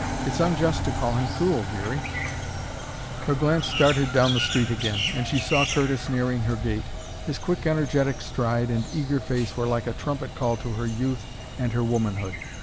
It's unjust to call him cruel, Dearie!" Her glance darted down the street again, and she saw Curtis nearing her gate. His quick, energetic stride and eager face were like a trumpet call to her youth and her womanhood.